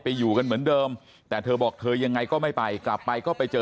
อยู่กันเหมือนเดิมแต่เธอบอกเธอยังไงก็ไม่ไปกลับไปก็ไปเจอ